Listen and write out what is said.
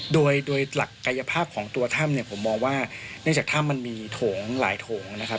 โดยโดยหลักกายภาพของตัวถ้ำเนี่ยผมมองว่าเนื่องจากถ้ำมันมีโถงหลายโถงนะครับ